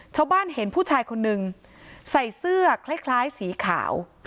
ชาวบ้านเห็นผู้ชายคนนึงใส่เสื้อคล้ายสีขาว